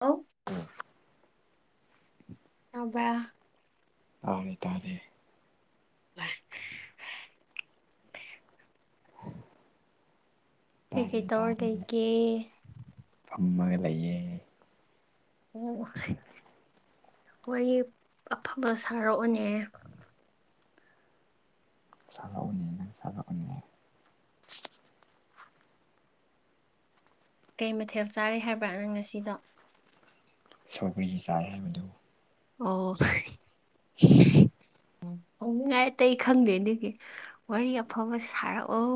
ꯑꯧ ꯎꯝ [unintelligible] [inaudible] ꯑꯕ [unintelligible] [inaudible] [unintelligible] ꯇꯥꯔꯦ [unintelligible] ꯀꯩ ꯇꯥꯔꯦ ꯀꯩ ꯇꯧꯔ ꯇꯥꯔꯦ ꯂꯩꯒꯦ ꯐꯝꯃꯒ ꯂꯩꯌꯦ ꯑꯣ ꯋꯥꯔꯤ ꯑꯐꯕ ꯁꯥꯔꯛꯑꯣꯅꯦ ꯁꯥꯂꯛꯑꯣꯅꯦ ꯅꯪ ꯁꯥꯂꯛꯑꯣꯅꯦ ꯀꯩ ꯃꯊꯦꯜ ꯆꯥꯔꯤ ꯍꯥꯏꯕ꯭ꯔꯥ ꯅꯪ ꯉꯁꯤꯗꯣ ꯁꯧꯒꯔꯤꯒꯤ ꯆꯥꯏ ꯍꯥꯏꯕꯗꯨ ꯑꯣ ꯎꯝ ꯍꯧꯅꯤꯡꯉꯥꯏ ꯑꯇꯩ ꯈꯪꯗꯦ ꯑꯗꯨꯒꯤ ꯋꯥꯔꯤ ꯑꯐꯕ ꯁꯥꯔꯛꯑꯣ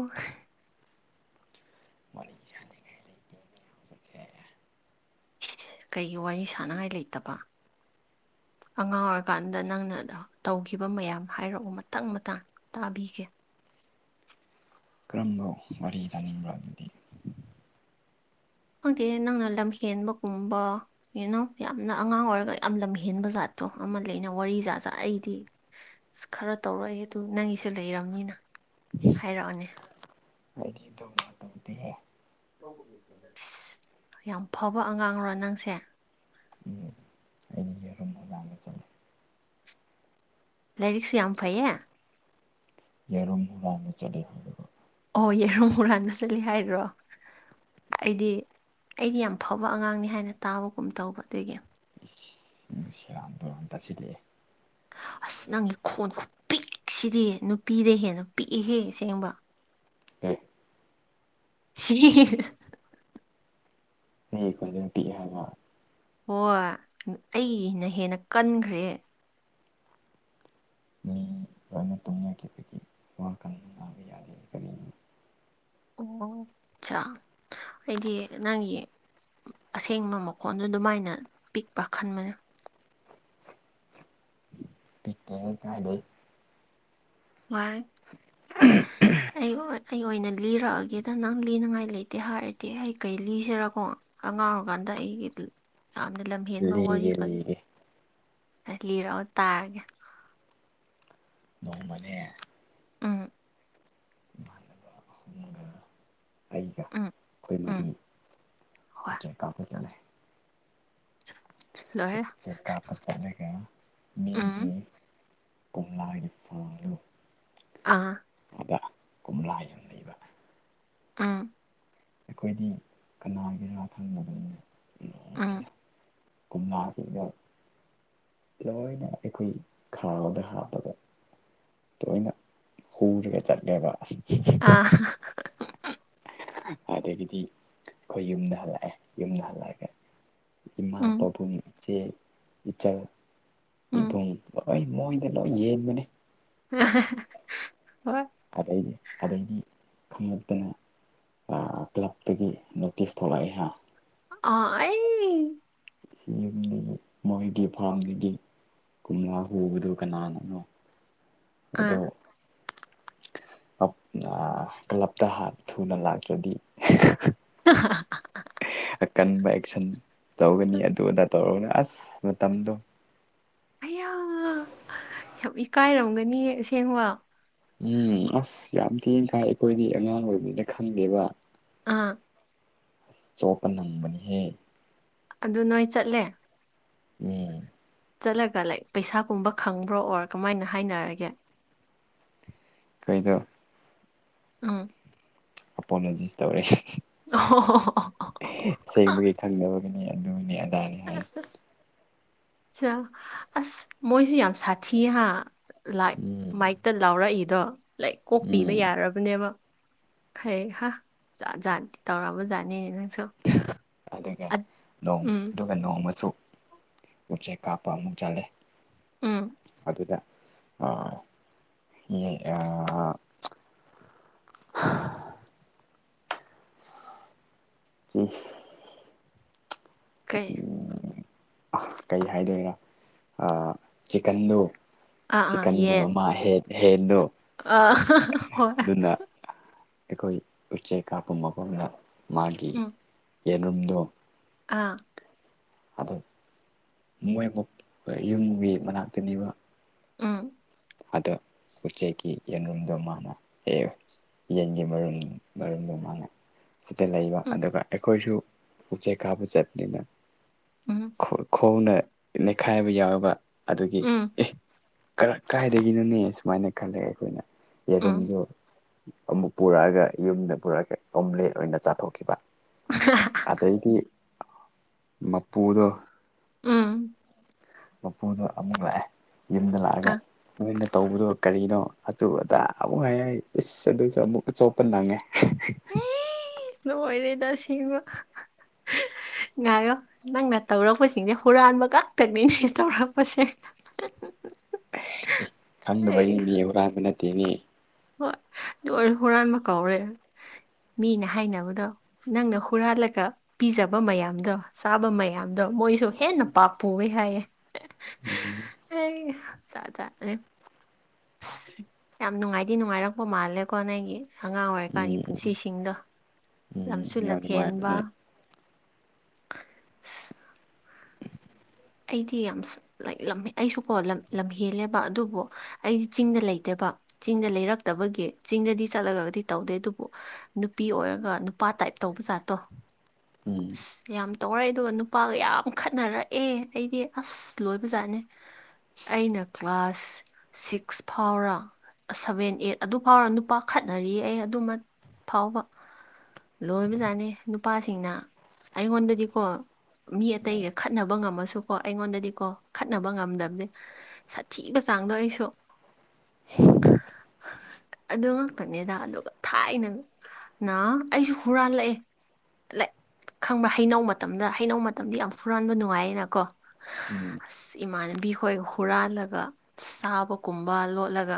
ꯋꯥꯔꯤ ꯁꯥꯅꯤꯡꯉꯥꯏ ꯂꯩꯇꯦ ꯑꯗꯨꯗꯤ ꯀꯩꯒꯤ ꯋꯥꯔꯤ ꯁꯥꯟꯅꯉꯥꯏ ꯂꯩꯇꯕ ꯑꯉꯥꯡ ꯑꯣꯏꯔꯀꯥꯟꯗ ꯅꯪꯅ ꯇꯧꯈꯤꯕ ꯃꯌꯥꯝ ꯍꯥꯏꯔꯛꯎ ꯃꯊꯪ ꯃꯇꯥꯡ ꯇꯥꯕꯤꯒꯦ ꯀꯔꯝꯕ ꯋꯥꯔꯤ ꯇꯥꯅꯤꯡꯕ ꯑꯗꯨꯗꯤ ꯈꯪꯗꯦ ꯅꯪꯅ ꯂꯝ ꯍꯦꯟꯕꯒꯨꯝꯕ ꯀꯩꯅꯣ ꯌꯥꯝꯅ ꯑꯉꯥꯡ ꯑꯣꯏꯔꯒ ꯌꯥꯝ ꯂꯝꯍꯦꯟꯕ ꯖꯥꯠꯇꯣ ꯑꯃ ꯂꯩꯅ ꯋꯥꯔꯤ ꯖꯥꯠꯖꯥ ꯑꯩꯗꯤ ꯑꯁ ꯈꯔ ꯇꯧꯔꯛꯑꯦ ꯑꯗꯨ ꯅꯪꯒꯤꯁꯨ ꯂꯩꯔꯕꯅꯤꯅ ꯍꯥꯏꯔꯛꯑꯅꯤ ꯑꯩꯗꯤ ꯑꯗꯨꯝꯕ ꯇꯧꯗꯦ ꯑꯁ ꯌꯥꯝ ꯐꯕ ꯑꯉꯥꯡꯔꯣ ꯅꯪꯁꯦ ꯎꯝ ꯑꯩꯅ ꯌꯦꯔꯨꯝ ꯍꯨꯔꯥꯜꯂꯥ ꯆꯠꯔꯦ ꯂꯥꯏꯔꯤꯛꯁꯨ ꯌꯥꯝ ꯐꯩꯌꯦ ꯌꯦꯔꯨꯝ ꯍꯨꯔꯥꯜꯂꯥ ꯆꯠꯔꯦ ꯍꯥꯏꯔꯒ ꯑꯣ ꯌꯦꯔꯨꯝ ꯍꯨꯔꯥꯟꯕ ꯆꯠꯂꯤ ꯍꯥꯏꯔꯣ ꯑꯩꯗꯤ ꯑꯩꯗꯤ ꯌꯥꯝ ꯐꯕ ꯑꯉꯥꯡꯅꯤ ꯍꯥꯏꯅ ꯇꯥꯕꯒꯨꯝ ꯇꯧꯕ ꯑꯗꯨꯒꯤ ꯁꯔ ꯁꯦꯔꯥꯟ ꯇꯨꯔꯥꯟ ꯇꯥꯁꯤꯜꯂꯛꯑꯦ ꯑꯁ ꯅꯪꯒꯤ ꯈꯣꯟ ꯄꯤꯛꯁꯤꯗꯤ ꯅꯨꯄꯤꯗꯒꯤ ꯍꯦꯟꯅ ꯄꯤꯛꯏ ꯍꯦ ꯑꯁꯦꯡꯕ ꯑꯦ ꯁꯤꯁ ꯃꯤꯒꯤ ꯈꯣꯟꯖꯦꯟ ꯄꯤꯛꯏ ꯍꯥꯏꯕ ꯍꯣꯏ ꯑꯩꯒꯤꯅ ꯍꯦꯟꯅ ꯀꯟꯈ꯭ꯔꯦ ꯃꯤ ꯂꯣꯏꯅ ꯇꯨꯝꯅꯈꯤꯕꯒꯤ ꯋꯥ ꯀꯟꯅ ꯉꯥꯡꯕ ꯌꯥꯗꯦ ꯀꯔꯤꯅꯣ ꯑꯣ ꯑꯠꯁꯥ ꯑꯩꯗꯤ ꯅꯪꯒꯤ ꯑꯁꯦꯡꯕ ꯃꯈꯣꯟꯗꯣ ꯑꯗꯨꯃꯥꯏꯅ ꯄꯤꯛꯄ꯭ꯔꯥ ꯈꯟꯕꯅꯦ ꯄꯤꯛꯇꯦ ꯀꯥꯏꯗꯩ ꯋꯥꯏ ꯑꯩ ꯑꯣꯏ ꯑꯩ ꯑꯣꯏꯅ ꯂꯤꯔꯛꯑꯒꯦꯗ ꯅꯪ ꯂꯤꯅꯉꯥꯏ ꯂꯩꯇꯦ ꯍꯥꯏꯔꯗꯤ ꯑꯩ ꯀꯩ ꯂꯤꯁꯤꯔꯀꯣ ꯑꯉꯥꯡ ꯑꯣꯔ ꯀꯥꯟꯗ ꯑꯩꯒꯤ ꯌꯥꯝꯅ ꯂꯝꯍꯦꯟꯕ ꯋꯥꯔꯤ ꯂꯤꯒꯦ ꯀꯔꯤ ꯂꯤꯒꯦ ꯂꯤꯔꯛꯑꯣ ꯇꯥꯔꯒꯦ ꯅꯣꯡꯃꯅꯦ ꯎꯝ ꯏꯃꯥꯟꯅꯕ ꯑꯃꯒ ꯑꯩꯒ ꯎꯝ ꯑꯩꯈꯣꯏ ꯃꯔꯤ ꯎꯝ ꯍꯣꯏ ꯎꯆꯦꯛ ꯀꯥꯞꯄ ꯆꯠꯂꯦ ꯂꯣꯏꯔꯦ ꯎꯆꯦꯛ ꯀꯥꯞꯄ ꯆꯠꯂꯒ ꯃꯤꯒꯤ ꯎꯝ ꯀꯣꯝꯂꯥꯒꯤ ꯐꯥꯡꯗꯨ ꯑꯥ ꯑꯗꯥ ꯀꯣꯝꯂꯥ ꯌꯥꯝ ꯂꯩꯕ ꯎꯝ ꯑꯩꯈꯣꯏꯗꯤ ꯀꯅꯥꯒꯤꯔꯥ ꯈꯪꯗꯕꯅꯤꯅꯦ ꯑꯥ ꯀꯣꯝꯂꯥꯁꯤꯒ ꯂꯣꯏꯅ ꯑꯩꯈꯣꯏ ꯈꯥꯎꯗ ꯍꯥꯞꯄꯒ ꯇꯣꯏꯅ ꯍꯨꯔꯒ ꯆꯠꯂꯦꯕ ꯑꯥ [inaudible] ꯑꯗꯥꯒꯤꯗꯤ ꯑꯩꯈꯣꯏ ꯌꯨꯝꯗ ꯍꯜꯂꯛꯑꯦ ꯌꯨꯝꯗ ꯍꯜꯂꯛꯑꯒ ꯏꯃꯥ ꯎꯝ ꯄꯥꯕꯨꯡ ꯏꯆꯦ ꯏꯆꯜ ꯎꯝ ꯏꯕꯨꯡ ꯑꯩ ꯃꯣꯏꯗ ꯂꯣꯏ ꯌꯦꯟꯕꯅꯤ ꯍꫭꯏ ꯑꯗꯩꯗꯤ ꯑꯗꯩꯗꯤ ꯈꯪꯂꯛꯇꯅ ꯀ꯭ꯂꯞꯇꯒꯤ ꯅꯣꯇꯤꯁ ꯊꯣꯛꯂꯛ ꯑꯏꯍ ꯑꯥ ꯑꯩ ꯁꯤ ꯌꯨꯝ ꯃꯣꯏꯒꯤ ꯐꯥꯝꯗꯒꯤ ꯀꯣꯝꯂꯥ ꯍꯨꯕꯗꯨ ꯀꯅꯥꯅꯅꯣ ꯑꯥ ꯑꯗꯣ ꯀ꯭ꯂꯞꯇꯥꯟ ꯊꯨꯅ ꯂꯥꯛꯇ꯭ꯔꯗꯤ ꯀꯍ [unintelligible] [inaudible] ꯑꯀꯟꯕ ꯑꯦꯛꯁꯟ ꯇꯧꯒꯅꯤ ꯑꯗꯨ ꯑꯗꯥ ꯇꯧꯔꯒ ꯑꯁ ꯃꯇꯝꯗꯣ ꯑꯩꯌꯥ ꯌꯥꯝ ꯏꯀꯥꯏꯔꯝꯒꯅꯤ ꯑꯁꯦꯡꯕ ꯎꯝ ꯑꯁ ꯌꯥꯝ ꯊꯤꯅ ꯏꯀꯥꯏ ꯑꯩꯈꯣꯏꯗꯤ ꯑꯉꯥꯡ ꯑꯣꯏꯕꯅꯤꯅ ꯈꯪꯗꯦꯕ ꯑꯥ ꯑꯁ ꯆꯣꯞꯄ ꯅꯪꯕꯅꯤꯍꯦ ꯑꯗꯨ ꯅꯣꯏ ꯆꯠꯂꯦ ꯎꯝ ꯆꯠꯂꯒ ꯂꯥꯏꯛ ꯄꯩꯁꯥꯒꯨꯝꯕ ꯈꯪꯕ꯭ꯔꯣ ꯑꯣꯔ ꯀꯃꯥꯏꯅ ꯍꯥꯏꯅꯔꯒꯦ ꯀꯩꯗꯣ ꯎꯝ ꯄꯣꯅꯣꯖꯤꯁ ꯇꯧꯔꯦ [inaudible] ꯁꯦꯡꯕꯒꯤ ꯈꯪꯗꯅꯕꯒꯤꯅꯤ ꯑꯗꯨꯒꯤꯅꯤ ꯑꯗꯥꯅꯤ ꯍꯥꯏꯔꯤ ꯆꯥ ꯑꯁ ꯃꯣꯏꯁꯨ ꯌꯥꯝ ꯁꯥꯊꯤ ꯍꯥ ꯂꯥꯏ ꯎꯝ ꯃꯥꯏꯛꯇ ꯂꯥꯎꯔꯛꯏꯗꯣ ꯂꯥꯏꯔꯤꯛ ꯀꯣꯛꯄꯤꯕ ꯎꯝ ꯌꯥꯔꯕꯅꯦꯕ ꯍꯤꯏ ꯍꯥ ꯖꯥꯠ ꯖꯥꯠꯇꯤ ꯇꯧꯔꯥꯝꯕ ꯖꯥꯠꯅꯤꯅꯦ ꯅꯪꯁꯨ ꯑꯗꯨꯒꯥ ꯅꯣꯡ ꯎꯝ ꯗꯨꯝ ꯅꯣꯡꯃꯁꯨ ꯎꯆꯦꯛ ꯀꯥꯞꯄ ꯑꯃꯨꯛ ꯆꯠꯂꯦ ꯎꯝ ꯑꯗꯨꯗ ꯑ ꯑ UNINTELLIGIBLE ꯀꯩ ꯑ ꯀꯩ ꯍꯥꯏꯗꯣꯏꯅꫭ ꯑꯥ ꯆꯤꯀꯟꯗꯣ ꯑꯥ ꯑꯥ ꯆꯤꯀꯟꯒꯤ ꯌꯦꯟ ꯃꯃꯥ ꯍꯦ ꯍꯦꯟꯗꫭ ꯑꯥ ꯍꯣꯏ ꯑꯗꯨꯅ ꯑꯩꯈꯣꯏ ꯎꯆꯦꯛ ꯀꯥꯞꯄ ꯃꯐꯝꯗ ꯃꯥꯒꯤ ꯎꯝ ꯌꯦꯔꯨꯝꯗꯣ ꯑꯥ ꯑꯗꫭ ꯃꯣꯏꯕꯨ ꯌꯨꯝꯒꯤ ꯃꯅꯥꯛꯇꯅꯦꯕ ꯎꯝ ꯑꯗꯥ ꯎꯆꯦꯛꯀꯤ ꯌꯦꯟꯔꯨꯝꯗꯣ ꯃꯥꯅ ꯍꯦ ꯌꯦꯟꯒꯤ ꯃꯔꯨꯝ ꯃꯔꯨꯝꯗꯣ ꯃꯥꯅ ꯁꯤꯗ ꯂꯩꯕ ꯎꯝ ꯑꯗꯨꯒ ꯑꯩꯈꯣꯏꯁꯨ ꯎꯆꯦꯛ ꯀꯥꯕ ꯆꯠꯅꯤꯅ ꯎꯝ ꯈꫭꯟꯅ ꯅꯩꯈꯥꯏꯕ ꯌꯥꯎꯕ ꯑꯗꯨꯒꯤ ꯎꯝ ꯑꯦ ꯀꯥꯏꯗꯒꯤꯅꯅꯦ ꯁꯨꯃꯥꯏꯅ ꯈꯜꯂꯦ ꯑꯩꯈꯣꯏꯅ ꯎꯝ ꯌꯦꯔꯨꯝꯗꫭ ꯑꯃꯨꯛ ꯄꯨꯔꯛꯑꯒ ꯌꯨꯝꯗ ꯄꯨꯔꯛꯑꯒ ꯑꯣꯝꯂꯦꯠ ꯑꯣꯏꯅ ꯆꯥꯊꯣꯛꯈꯤꯕ UNINTELLIGIBLE ꯑꯗꯩꯗꯤ ꯃꯄꯨꯗꯣ ꯎꯝ ꯃꯄꯨꯗꯣ ꯑꯃꯨꯛ ꯂꯥꯛꯑꯦ ꯌꯨꯝꯗ ꯑ ꯂꯥꯛꯑꯒ ꯅꯣꯏꯅ ꯇꯧꯕꯗꯣ ꯀꯔꯤꯅꯣ ꯑꯆ ꯑꯗꯥ ꯑꯃꯨꯛ ꯍꯥꯏꯔꯏ ꯏꯁ ꯑꯗꯨꯁꯨ ꯑꯃꯨꯛ ꯑꯆꯣꯞꯄ ꯅꯪꯉꯦ ꯅ ꯑꯣꯏꯔꯩꯗ ꯁꯤꯁꯤꯡꯕ ꯉꯌꯣ ꯅꯪꯅ ꯇꯧꯔꯛꯄꯁꯤꯡꯅꯦ ꯍꯨꯔꯥꯟꯕ ꯈꯛꯇꯛꯅꯤꯅꯦ ꯇꯧꯔꯛꯄꯁꯦ ꯈꯪꯗꯕ ꯑꯩ ꯑꯩꯅꯤ ꯃꯤ ꯍꯨꯔꯥꯟꯕ ꯅꯠꯇꯦ ꯃꯤ ꯍꯣꯏ ꯍꯨꯔꯥꯟ ꯑꯃ ꯀꯧꯔꯦ ꯃꯤꯅ ꯍꯥꯏꯅꯕꯗꯣ ꯅꯪꯅ ꯍꯨꯔꯜꯂꯀ ꯄꯤꯖꯕ ꯃꯌꯥꯝꯗꯣ ꯆꯥꯕ ꯃꯌꯥꯝꯗꯣ ꯃꯣꯏꯁꯨ ꯍꯦꯟꯅ ꯄꯥ ꯄꯨꯋꯦ ꯍꯥꯏꯌꯦ ꯎꯝ ꯑ ꯆ ꯆ ꯑ ꯌꯥꯝ ꯅꯨꯡꯉꯥꯏꯗꯤ ꯅꯨꯡꯉꯥꯏꯔꯛꯄ ꯃꯥꯜꯂꯦꯀꯣ ꯅꯪꯒꯤ ꯑꯉꯥꯡ ꯑꯣꯏꯔꯀꯥꯟꯒꯤ ꯎꯝ ꯄꯨꯟꯁꯤꯁꯤꯡꯗꯣ ꯎꯝ ꯂꯝꯁꯨ ꯌꯥꯝ ꯂꯝ ꯍꯦꯟꯕ ꯅꯨꯡꯉꯥꯏꯕꯅꯦ [unintelligible] ꯑꯩꯗꯤ ꯌꯥꯝ ꯂꯥꯏꯛꯃꯦ ꯑꯩꯁꯨꯀꯣ ꯂꯝ ꯍꯦꯜꯂꯦꯕ ꯑꯗꯨꯕꯨ ꯑꯩꯗꯤ ꯆꯤꯡꯗ ꯂꯩꯇꯦꯕ ꯆꯤꯡꯗ ꯂꯩꯔꯛꯇꯕꯒꯤ ꯆꯤꯡꯗꯗꯤ ꯆꯠꯂꯒꯒꯗꯤ ꯇꯧꯗꯦ ꯑꯗꯨꯕꯨ ꯅꯨꯄꯤ ꯑꯣꯏꯔꯒ ꯅꯨꯄꯥ ꯇꯥꯏꯞ ꯇꯧꯕ ꯖꯥꯠꯇꯣ ꯎꯝ ꯑꯁ ꯌꯥꯝ ꯇꯧꯔꯛꯏ ꯑꯦ ꯑꯗꯨꯒ ꯅꯨꯄꯥꯒ ꯌꯥꯝ ꯈꯠꯅꯔꯛꯑꯦ ꯑꯩꯗꯤ ꯑꯁ ꯂꯣꯏꯕꯖꯥꯠꯅꯦ ꯑꯩꯅ ꯀ꯭ꯂꯥꯁ ꯁꯤꯛꯁ ꯐꯥꯎꯔꯥ ꯁꯚꯦꯟ ꯑꯦꯠ ꯑꯗꯨ ꯐꯥꯎꯔ ꯅꯨꯄꯥ ꯈꯠꯅꯔꯤꯌꯦ ꯑꯩ ꯑꯗꯨꯃ ꯐꯥꯎꯕ ꯂꯣꯏꯕꯖꯥꯠꯅꯤ ꯅꯨꯄꯥꯁꯤꯡꯅ ꯑꯩꯉꯣꯟꯗꯗꯤꯀꯣ ꯃꯤ ꯑꯇꯩꯒ ꯈꯠꯅꯕ ꯉꯝꯃꯁꯨ ꯀꯣ ꯑꯩꯉꯣꯟꯗꯗꯤ ꯀꯣ ꯈꯠꯅꯕ ꯉꯝꯗꯕꯅꯦ ꯁꯥꯊꯤꯕ ꯆꯥꯡꯗꯣ ꯑꯩꯁꯨ ꯑꯗꯨ ꯉꯥꯛꯇꯅꯦꯗ ꯑꯗꯨꯒ ꯊꯥꯏꯅ ꯅ ꯑꯩꯁꯨ ꯍꯨꯔꯥꯜꯂꯛꯑꯦ ꯈꯪꯕꯥ ꯍꯩꯅꯧ ꯃꯇꯝꯗ ꯍꯩꯅꯧ ꯃꯇꯝꯗꯤ ꯌꯥꯝ ꯐꯨꯔꯥꯟꯕ ꯅꯨꯡꯉꯥꯏꯌꯦꯅꯀꯣ ꯎꯝ ꯑ ꯏꯃꯥꯟꯅꯕꯤꯈꯣꯏ ꯍꯨꯔꯥꯜꯂꯒ ꯆꯥꯕꯒꯨꯝꯕ ꯂꯣꯠꯂꯒ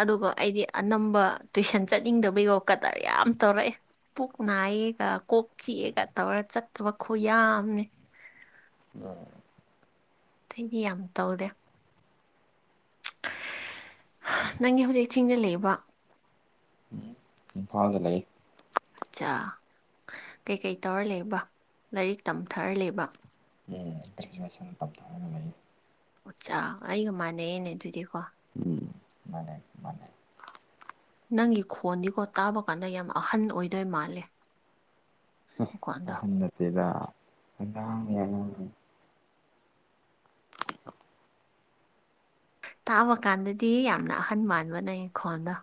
ꯑꯗꯨꯒ ꯑꯩꯗꯤ ꯑꯅꯝꯕ ꯇꯨꯏꯁꯟ ꯆꯠꯅꯤꯡꯗꯕꯤꯩꯒꯣ ꯀꯇꯔ ꯌꯥꯝ ꯇꯧꯔꯛꯑꯦ ꯄꯨꯛ ꯅꯥꯏꯑꯒ ꯀꯣꯛ ꯆꯤꯛꯦꯒ ꯇꯧꯔ ꯆꯠꯇꯕ ꯈꯣ ꯌꯥꯝꯅꯦ ꯑꯣ ꯑꯇꯩꯗꯤ ꯌꯥꯝ ꯇꯧꯗꯦ ꯅꯪꯒꯤ ꯍꯧꯖꯤꯛ ꯆꯤꯡꯗ ꯂꯩꯔꯤꯕꯕ ꯏꯝꯐꯥꯜꯗ ꯂꯩ ꯑꯆꯥ ꯀꯩꯀꯩ ꯇꯧꯔ ꯂꯩꯕ ꯂꯥꯏꯔꯤꯛ ꯇꯝꯊꯔ ꯂꯩꯦꯕ ꯒ꯭ꯔꯦꯖꯨꯋꯦꯁꯟ ꯇꯝꯊꯔꯒ ꯂꯩ ꯎꯆꯥ ꯑꯩꯒ ꯃꯥꯟꯅꯩꯅꯦ ꯑꯗꯨꯗꯤꯀꯣ ꯃꯅꯦ ꯃꯅꯦ ꯅꯪꯒꯤ ꯈꯣꯟꯗꯤꯀꯣ ꯇꯥꯕ ꯀꯥꯟꯗ ꯌꯥꯝ ꯑꯍꯟ ꯑꯣꯏꯗꯣꯏ ꯃꯥꯜꯂꯦ ꯑ ꯃꯈꯣꯟꯗꯣ ꯑꯍꯝꯅ ꯇꯗ ꯀꯅꯥ ꯌꯥꯅ ꯇꯥꯕ ꯀꯥꯟꯗꯗꯤ ꯌꯥꯝꯅ ꯑꯍꯟ ꯃꯥꯟꯕꯅꯦꯈꯣꯟꯗ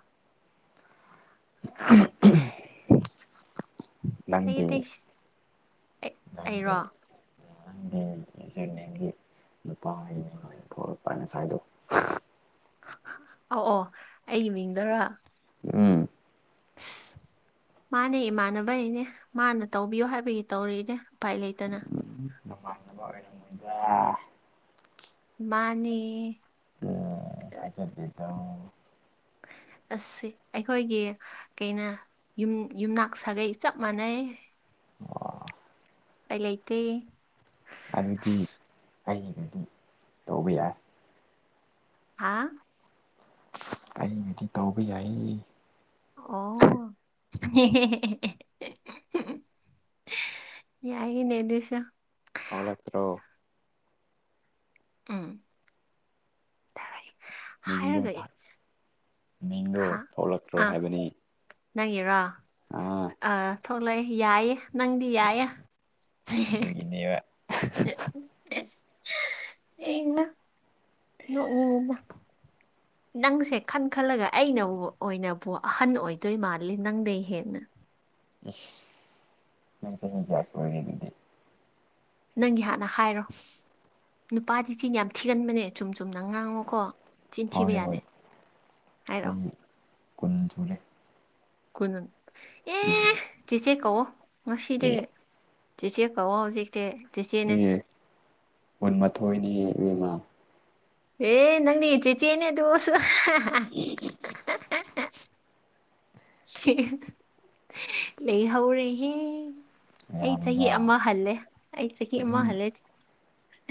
[inaudible] ꯑꯩꯒꯤ ꯇꯁ ꯂꯟꯗꯦ ꯑꯆꯔꯃꯦꯟꯒꯤ ꯅꯨꯄꯥꯒꯤꯅꯤꯅ ꯊꯣꯛꯂꯛꯄ ꯉ ꯁꯁꯋꯥꯥꯏꯗꯣꯛ ꯑ ꯑꯣ ꯑꯩꯒꯤ ꯃꯤꯡꯗꯔ ꯎꯝ ꯑ ꯃꯥꯅꯦ ꯏꯃꯥꯟꯅꯕꯩꯅꯦ ꯃꯥꯅ ꯇꯧꯕꯤꯌꯣ ꯍꯥꯏꯕꯒꯤ ꯇꯧꯔꯤꯅꯦ ꯎꯄꯥꯏ ꯂꯩꯇꯅ ꯇꯃꯥꯡꯅꯕ ꯑꯣꯏꯔꯒꯣꯟꯕ ꯃꯥꯅꯤ ꯊꯥꯆꯠ ꯠꯇꯧ ꯑꯁ ꯁꯦ ꯑꯩꯈꯣꯏꯒꯤ ꯀꯩꯅꯣ ꯌꯨꯝ ꯌꯨꯝꯅꯥꯛ ꯁꯥꯒꯩ ꯆꯞ ꯃꯥꯟꯅꯩ ꯑꯣ ꯑꯩ ꯂꯩꯇꯦ ꯑꯗꯨꯗꯤ ꯑꯁ ꯑꯩꯒꯤꯗꯨꯗꯤ ꯇꯧꯕ ꯌꯥꯏ ꯍꯥ ꯑꯩꯅꯗꯤ ꯇꯧꯕ ꯌꯥꯏꯌꯦ ꯑꯣ ꯍꯦ ꯍꯦ ꯍꯦ ꯍꯦ ꯍꯦ ꯍꯨꯡ ꯍꯨꯡ ꯍꯍ ꯌꯥꯏꯌꯦꯅꯦ ꯑꯗꯨꯁꯨ ꯇꯧꯔꯛꯇ꯭ꯔꯣ ꯎꯝ ꯇꯧꯔꯒꯦ ꯃꯤꯡꯗꯣ ꯍꯥꯏꯔꯒ ꯃꯤꯡꯗꯣ ꯊꯣꯛꯂꯛꯇ꯭ꯔꯣ ꯍꯥꯏꯕꯅꯤ ꯅꯪꯉꯔꯣ ꯑꯥ ꯑ ꯊꯣꯛꯂꯛꯑꯦ ꯌꯥꯏꯌꯦ ꯅꯪꯗꯤ ꯌꯥꯌꯦꯦ ꯑꯗꯨꯒꯤꯅꯦꯕ ꯅꯉꯅ [unintelligible] ꯅꯪꯁꯦ ꯈꯟ ꯈꯜꯂꯒ ꯑꯩꯅꯕꯨ ꯑꯣꯏꯅꯕꯨ ꯑꯍꯟ ꯑꯣꯏꯗꯣꯏ ꯃꯥꯜꯂꯤ ꯅꯪꯗꯩ ꯍꯦꯟꯅ ꯅꯁ ꯀ꯭ꯌꯥꯁ ꯑꯣꯏꯔꯤꯦ ꯑꯗꯨꯗꯤ ꯅꯪꯒꯤ ꯍꯥꯟꯅ ꯍꯥꯏꯔꯣ ꯅꯨꯄꯥꯗꯤ ꯆꯤꯟ ꯌꯥꯝ ꯊꯤꯒꯟꯕꯅꯦ ꯆꯨꯝ ꯆꯨꯝꯅ ꯉꯥꯡꯉꯣꯀꯣ ꯆꯤꯟ ꯊꯤꯕ ꯍꯣꯏ ꯌꯥꯗꯦ ꯍꯣꯏ ꯍꯥꯏꯔꯛꯑꯣ ꯑꯩ ꯀꯨꯟ ꯁꯨꯔꯦ ꯀꯨꯅꯟ ꯑꯦ ꯎꯝ ꯆꯤ ꯆꯦ ꯀꯧꯋꯣ ꯑꯦ ꯉꯁꯤꯗꯒꯤ ꯆꯤ ꯆꯦ ꯀꯧꯋꯣ ꯍꯧꯖꯤꯛꯇꯤ ꯆꯦꯆꯦꯅꯦ ꯑꯦ ꯀꯨꯟꯃꯥꯊꯣꯏꯅꯤ ꯏꯕꯦꯝꯃꯥ ꯑꯦ ꯅꯪꯅꯤ ꯆꯤꯆꯦꯅꯦ ꯑꯗꯣꯁꯨ ꯍꯥ ꯍꯥ ꯍꯍ ꯍ ꯍ ꯁꯤ ꯍ ꯍ ꯂꯩ ꯍꯧꯔꯦꯍꯦ ꯑꯩ ꯆꯍꯤ ꯌꯥꯝꯃꯤꯗ ꯑꯃ ꯍꯜꯂꯦ ꯑꯩ ꯆꯍꯤ ꯑꯃ ꯍꯜꯂꯦ ꯆꯤ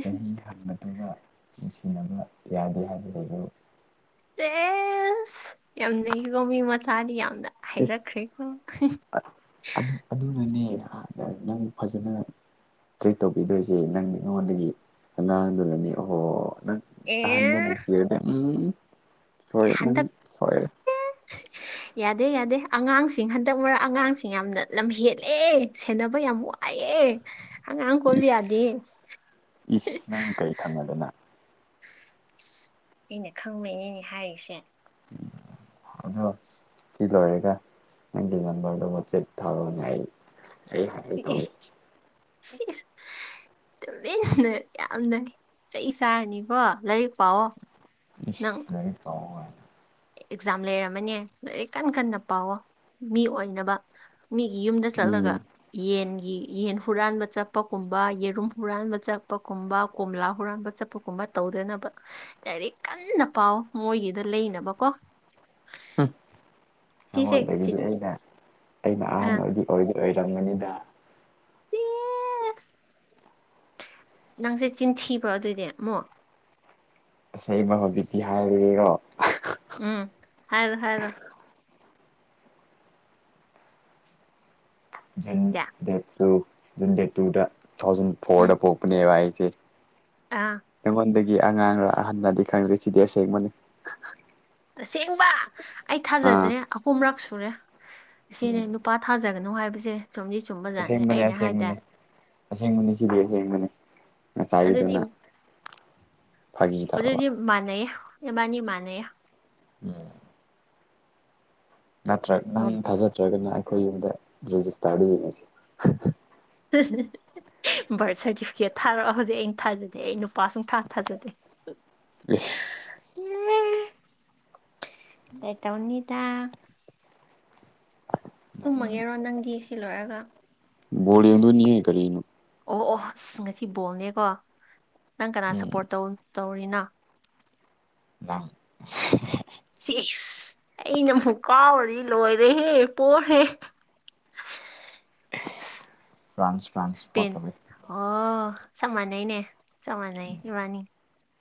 ꯑꯍ ꯑꯍꯟ ꯃꯇꯨꯒ ꯅꯨꯡꯁꯤꯅꯕ ꯌꯥꯗꯦ ꯍꯥꯏꯕ ꯂꯩꯕ꯭ꯔꯣ ꯆꯦꯁ ꯌꯥꯝ ꯅꯩꯀꯣ ꯃꯤ ꯃꯆꯥꯗꯤ ꯌꯥꯝꯅ ꯑꯦ ꯍꯩꯔꯛꯈ꯭ꯔꯦꯀꯣ ꯑꯗꯨ ꯑꯗꯨꯅꯅꯦ ꯍꯥꯟꯅ ꯅꯪ ꯐꯖꯅ ꯇ꯭ꯔꯤꯠ ꯇꯧꯕꯤꯗꯣꯏꯁꯦ ꯅꯪ ꯑꯩꯉꯣꯟꯗꯒꯤ ꯑꯉꯥꯡꯗꯨꯅꯅꯦ ꯑꯣꯍꯣ ꯅꯪ ꯑꯍꯟꯗ ꯑꯦ ꯅꯨꯡꯁꯤꯔꯗꯤ ꯎꯝ ꯁꯣꯏꯔꯦ ꯅꯪ ꯁꯣꯏꯔꯦ ꯂꯧꯁꯤꯟꯕ ꯉꯝꯗꯕ ꯌꯥꯗꯦ ꯌꯥꯗꯦ ꯑꯉꯥꯡꯁꯤꯡ ꯍꯟꯗꯛ ꯃꯔꯛ ꯑꯉꯥꯡꯁꯤꯡ ꯌꯥꯝꯅ ꯂꯝꯍꯦꯜꯂꯦ ꯁꯦꯟꯅꯕ ꯌꯥꯝ ꯋꯥ ꯑꯥꯏꯌꯦ ꯏ ꯏꯁ ꯅꯪ ꯀꯩ ꯈꯪꯉꯗꯅ ꯏꯁ ꯑꯩꯅ ꯈꯪꯕꯩꯅꯤꯅꯦ ꯍꯥꯏꯔꯤꯁꯦ ꯑꯗꯣ [inaudible] ꯁꯤ ꯂꯣꯏꯔꯒ ꯅꯪꯒꯤ ꯅꯝꯕꯔꯗꯣ ꯋꯥꯆꯦꯞ ꯊꯥꯔꯣꯅꯦ ꯑꯩ ꯑꯩ ꯍꯥꯏ ꯇꯧꯒꯦ ꯁꯤ ꯏꯁ ꯍꯍ ꯇꯨꯃꯤꯟꯅ ꯌꯥꯝꯅ ꯆꯩ ꯆꯥꯔꯅꯤꯀꯣ ꯂꯥꯏꯔꯤꯛ ꯄꯥꯎꯑꯣ ꯅꯪ ꯏꯁ ꯂꯥꯏꯔꯤꯛ ꯄꯥꯎ ꯀꯥꯏꯅꯥ ꯑꯦꯛꯖꯥꯝ ꯂꯩꯔꯝꯃꯅꯦ ꯂꯥꯏꯔꯤꯛ ꯀꯟ ꯀꯟꯅ ꯄꯥꯎꯋꯣ ꯃꯤ ꯑꯣꯏꯅꯕ ꯃꯤꯒꯤ ꯌꯨꯝꯗ ꯆꯠꯂꯒ ꯎꯝ ꯌꯦꯟꯒꯤ ꯌꯦꯟ ꯍꯨꯔꯥꯟꯕ ꯆꯠꯄꯀꯨꯝꯕ ꯌꯦꯔꯨꯝ ꯍꯨꯔꯥꯟꯕ ꯆꯠꯄꯀꯨꯝꯕ ꯀꯣꯝꯂꯥ ꯍꯨꯔꯥꯟꯕ ꯆꯠ ꯄꯨꯀꯨꯝꯕ ꯇꯧꯗꯅꯕ ꯂꯥꯏꯔꯤꯛ ꯀꯟꯅ ꯄꯥꯎ ꯃꯣꯏꯒꯤꯗꯣ ꯂꯩꯅꯕꯀꯣ ꯍꯞ ꯁꯤꯁꯦ ꯆꯤ ꯅꯉꯣꯟꯗꯒꯤꯗꯤ ꯑꯩꯅ ꯑꯩꯅ ꯑꯍꯥꯟ ꯑꯥ ꯑꯣꯏꯗꯤ ꯑꯣꯏꯗꯤ ꯑꯣꯏꯔꯝꯒꯅꯤꯗ ꯑꯦ ꯅꯪꯁꯦ ꯆꯤꯟꯊꯤꯕ꯭ꯔꯣ ꯑꯗꯨꯗꯤ ꯑꯃꯨꯛ ꯑꯁꯦꯡꯕ ꯍꯧꯖꯤꯛꯇꯤ ꯍꯥꯏꯔꯒꯦꯀꯣ ꯎꯝ ꯍꯥꯏꯔꯣ ꯍꯥꯏꯔꯣ ꯖꯟ ꯀꯌꯥ ꯗꯦ ꯇ ꯖꯟꯗꯦ ꯇꯨꯗ ꯇꯨ ꯊꯥꯎꯖꯟ ꯎꯝ ꯐꯣꯔꯗ ꯄꯄꯅꯦ ꯋꯥꯏꯁꯦ ꯑꯥ ꯑꯩꯉꯣꯟꯗꯒꯤ ꯑꯉꯥꯡꯅ ꯑꯍꯟꯅꯗꯤ ꯈꯪꯗ꯭ꯦ ꯁꯤꯗꯤ ꯑꯁꯦꯡꯕꯅꯤ ꯇꯁꯦꯡꯕ ꯑꯩ ꯑꯥ ꯊꯥꯖꯗ꯭ꯔꯦ ꯑꯍꯨꯝꯔꯛ ꯁꯨꯔꯦ ꯎꯝ ꯁꯤꯅꯦ ꯄꯥ ꯊꯥꯖꯒꯅꯨ ꯍꯥꯏꯕꯁꯦ ꯁꯨꯝꯗꯤ ꯆꯨꯝꯕꯖꯥꯠꯅꯦ ꯑꯩꯅ ꯍꯥꯏꯗꯦ ꯑꯁꯦꯡꯕꯅꯤ ꯁꯤꯗꯤ ꯑꯁꯦꯡꯕꯅꯤ ꯑꯗꯨꯗꯤ ꯉꯁꯥꯏꯒꯤꯗꯨꯅ ꯐꯥꯒꯤ ꯇꯧꯕ ꯑꯗꯨꯏꯗꯤ ꯃꯥꯟꯅꯩꯌꯦ ꯏꯕꯥꯅꯤ ꯃꯥꯟꯅꯩꯌꯦ ꯎꯝ ꯅꯠꯇ꯭ꯔꯒ ꯅꯪ ꯊꯥꯖꯗ꯭ꯔꯒꯅ ꯑꯩꯈꯣꯏ ꯌꯨꯝꯗ ꯔꯦꯖꯤꯁꯇꯥꯔꯗ ꯌꯦꯡꯉꯁꯦ ꯍ ꯍ ꯍ ꯍ ꯕꯥꯔꯊ ꯁꯥꯔꯇꯤꯐꯤꯀꯦꯠ ꯊꯥꯔꯛꯑꯣ ꯍꯧꯖꯤꯛ ꯑꯩ ꯊꯥꯖꯗꯦ ꯑꯩ ꯅꯨꯄꯥ ꯁꯨꯡꯊꯥ ꯊꯥꯖꯗꯦ ꯍꯍ ꯑꯦ ꯇꯧꯅꯤꯗ [unintelligible] ꯇꯨꯝꯃꯒꯦꯔꯣ ꯅꯪꯗꯤ ꯁꯤ ꯂꯣꯏꯔꯒ ꯕꯣꯜ ꯌꯦꯡꯗꯣꯏꯅꯤꯍꯦ ꯀꯔꯤꯅꯣ ꯑꯣ ꯑꯣ ꯑꯁ ꯉꯁꯤ ꯕꯣꯜꯅꯦꯀꯣ ꯅꯪ ꯀꯅꯥ ꯎꯝ ꯁꯄꯣꯔꯠ ꯇꯧ ꯇꯧꯔꯤꯅꯣ ꯂꯥꯡ ꯁꯦ ꯍꯍ ꯁꯤꯁ ꯑꯩꯅꯕꯨ ꯀꯥꯎꯔꯗꯤ ꯂꯣꯏꯔꯦꯍꯦ ꯄꯣ ꯍꯦ [unintelligible] ꯐ꯭ꯔꯥꯟꯁ ꯐ꯭ꯔꯥꯟꯁ ꯏꯁꯄꯦꯟ ꯄꯇꯃꯦ ꯑꯣ ꯆꯞ ꯃꯥꯟꯅꯩꯅꯦ ꯆꯞ ꯃꯥꯟꯅꯩ ꯏꯕꯥꯅꯤ